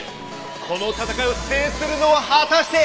この戦いを制するのは果たして！？